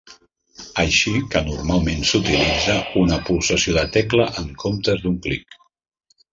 Així que normalment s'utilitza una pulsació de tecla en comptes d'un clic.